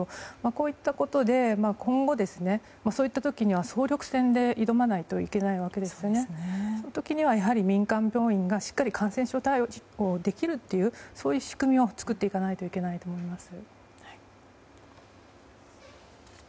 こういったことで今後、そういった時には総力戦で挑まないといけないわけでですからその時にはやはり民間病院がしっかり感染症対応ができるという仕組みを作っていかないといけないと思います。